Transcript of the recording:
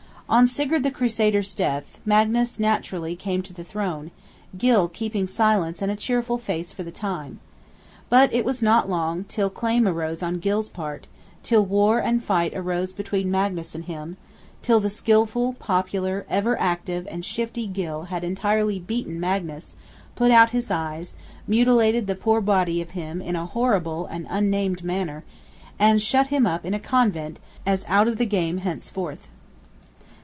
On Sigurd the Crusader's death, Magnus naturally came to the throne; Gylle keeping silence and a cheerful face for the time. But it was not long till claim arose on Gylle's part, till war and fight arose between Magnus and him, till the skilful, popular, ever active and shifty Gylle had entirely beaten Magnus; put out his eyes, mutilated the poor body of him in a horrid and unnamable manner, and shut him up in a convent as out of the game henceforth.